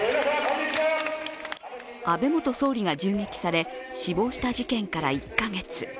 安倍元総理が銃撃され死亡した事件から１カ月。